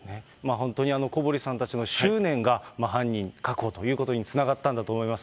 本当に小堀さんたちの執念が犯人確保ということにつながったんだと思います。